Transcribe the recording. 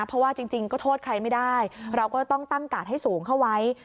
เพราะว่าจริงก็โทษใครไม่ได้เราก็ต้องตั้งกาดให้สูงเข้าไว้